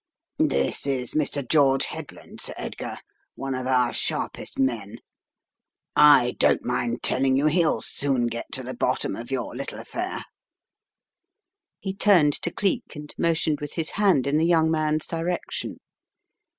"This is Mr. George Headland, Sir Edgar, one of our sharpest men. I don't mind telling you, he'll soon 90 Complications and Complexities 91 get to the bottom of your little affair." He turned to Cleek and motioned with his hand in the young man's direction.